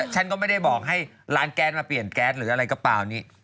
ฉันก็ไม่ได้บอกให้ร้านแก๊สมาเปลี่ยนแก๊สหรืออะไรกระเป๋านี้